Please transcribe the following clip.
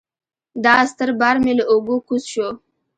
دا ستر بار مې له اوږو کوز شو.